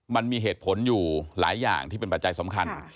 มันมีเหตุผลอยู่หลายอย่างที่เป็นปัจจัยสำคัญ